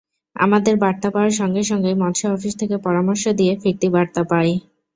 আমাদের বার্তা পাওয়ার সঙ্গে সঙ্গেই মৎস্য অফিস থেকে পরামর্শ দিয়ে ফিরতি বার্তা পাই।